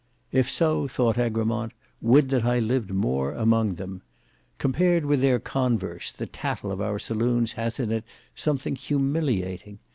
If so, thought Egremont, would that I lived more among them! Compared with their converse, the tattle of our saloons has in it something humiliating.